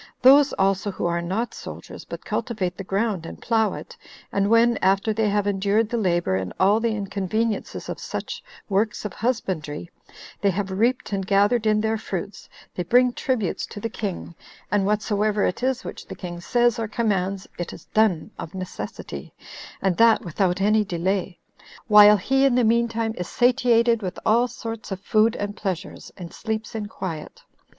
Those also who are not soldiers, but cultivate the ground, and plough it, and when, after they have endured the labor and all the inconveniences of such works of husbandry, they have reaped and gathered in their fruits, they bring tributes to the king; and whatsoever it is which the king says or commands, it is done of necessity, and that without any delay, while he in the mean time is satiated with all sorts of food and pleasures, and sleeps in quiet.